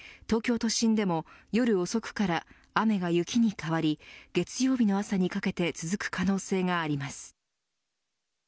東京都心でも夜遅くから雨が雪に変わり月曜日の朝にかけて続く可能性があります。